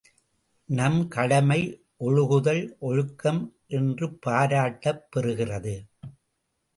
நம் கடமை ஒழுகுதல், ஒழுக்கம் என்று பாராட்டப் பெறுகிறது.